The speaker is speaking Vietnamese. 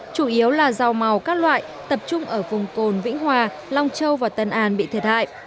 chủ yếu là rau màu các loại tập trung ở vùng cồn vĩnh hòa long châu và tân an bị thiệt hại